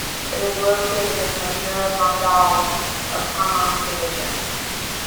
It is located in Madhira mandal of Khammam division.